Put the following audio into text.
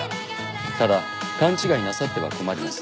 ただ勘違いなさっては困ります。